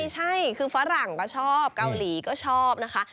ใช่ฝรั่งก็ชอบกาวรีก็ชอบ